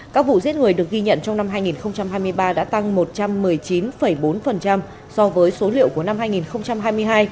các vụ giết người được ghi nhận trong năm hai nghìn hai mươi ba đã tăng một trăm một mươi chín bốn so với số liệu của năm hai nghìn hai mươi hai